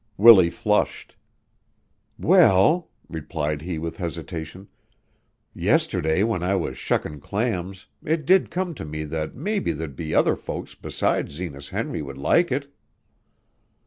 Willie flushed. "Well," replied he with hesitation, "yesterday when I was shuckin' clams it did come to me that mebbe there'd be other folks besides Zenas Henry would like it."